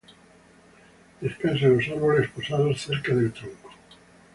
Descansa en los árboles, posado cerca del tronco.